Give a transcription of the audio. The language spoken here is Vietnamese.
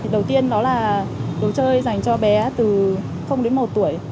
đầu tiên đó là đồ chơi dành cho bé từ đến một tuổi